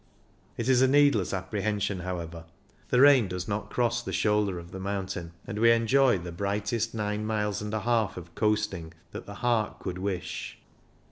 It is a needless apprehension, however ; the rain does not cross the shoulder of the mountain, and we enjoy the brightest nine miles and a half of coasting that the heart could wish.